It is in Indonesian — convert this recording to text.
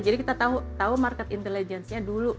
jadi kita tahu market intelligence nya dulu